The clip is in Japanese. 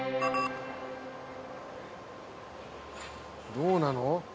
どうなの？